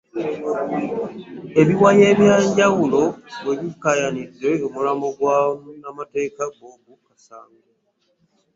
Ebiwayi eby'enjawulo bwe bikaayanidde omulambo gwa Munnamateeka Bob Kasango